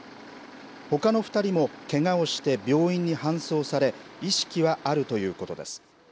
ほかの２人もけがをして病院に搬送され意識はあるということです。